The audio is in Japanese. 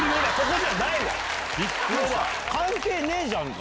関係ねえじゃんか！